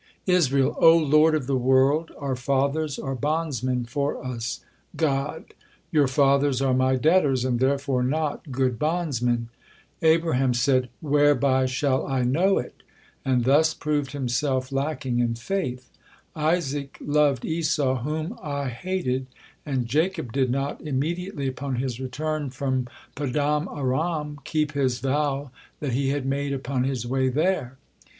Israel: "O Lord of the world! Our fathers are bondsmen for us." God: "Your fathers are My debtors, and therefore not good bondsmen. Abraham said, 'Whereby shall I know it?' and thus proved himself lacking in faith. Isaac loved Esau, whom I hated, and Jacob did not immediately upon his return from Padan Aram keep his vow that he had made upon his way there.